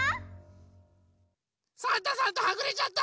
サンタさんとはぐれちゃった！